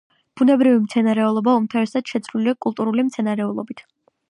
ბუნებრივი მცენარეულობა უმთავრესად შეცვლილია კულტურული მცენარეულობით.